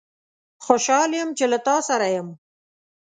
خوشحال یم چې له تاسوسره یم